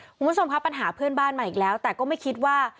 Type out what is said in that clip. คุณผู้ชมครับปัญหาเพื่อนบ้านมาอีกแล้วแต่ก็ไม่คิดว่า